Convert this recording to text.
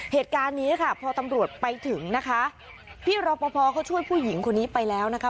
เหตุการณ์นี้ค่ะพอตำรวจไปถึงนะคะพี่รอปภเขาช่วยผู้หญิงคนนี้ไปแล้วนะคะ